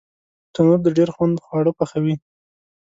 تنور د ډېر خوند خواړه پخوي